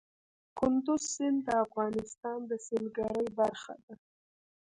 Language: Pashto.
کندز سیند د افغانستان د سیلګرۍ برخه ده.